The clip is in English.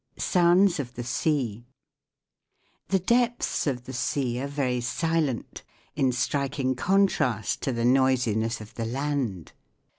SOUNDS OF THE SEA THE depths of the sea are very silent : in striking contrast to the noisiness of the land.